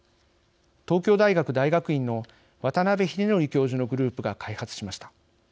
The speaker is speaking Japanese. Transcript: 東京大学大学院の渡邉英徳教授のグループが開発しました。